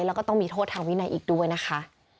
แล้วก็ต้องมีโทษทางวินัยอีกด้วยนะคะ